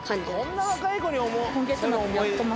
こんな若い子に。